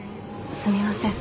すみません